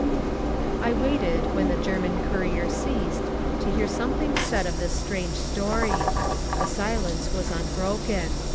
I waited, when the German courier ceased, to hear something said of this strange story. The silence was unbroken.